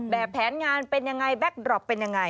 แบบแผนงานเป็นอย่างไรแบ็คดรอปเป็นอย่างไร